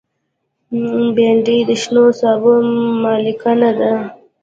بېنډۍ د شنو سابو ملکانه ده